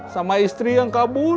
sama istri yang kabur